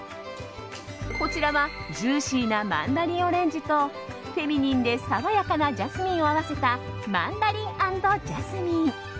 こちらはジューシーなマンダリンオレンジとフェミニンで爽やかなジャスミンを合わせたマンダリン＆ジャスミン。